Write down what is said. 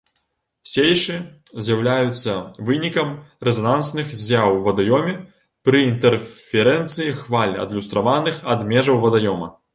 Сейшы з'яўляюцца вынікам рэзанансных з'яў у вадаёме пры інтэрферэнцыі хваль, адлюстраваных ад межаў вадаёма.